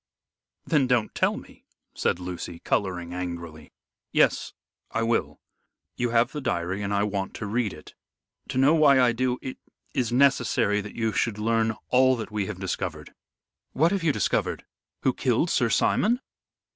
"Then don't tell me," said Lucy, coloring angrily. "Yes, I will. You have the diary and I want to read it. To know why I do, it is necessary that you should learn all that we have discovered." "What have you discovered? Who killed Sir Simon?"